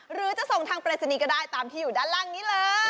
หรือจะส่งทางปริศนีย์ก็ได้ตามที่อยู่ด้านล่างนี้เลย